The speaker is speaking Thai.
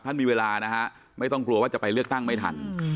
มีเวลานะฮะไม่ต้องกลัวว่าจะไปเลือกตั้งไม่ทัน